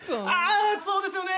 あそうですよね